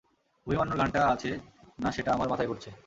আভিমান্যুরর গানটা আছে না সেটা আমার মাথায় ঘুরছে।